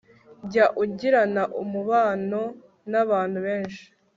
jya ugirana umubano n'abantu benshi